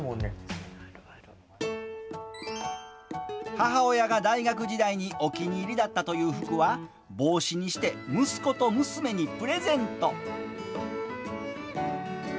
母親が大学時代にお気に入りだったという服は帽子にして息子と娘にプレゼント。